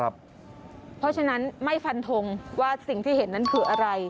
เพราะฉะนั้นไม่ฟันทงว่าสิ่งที่เห็นนั้นคืออะไร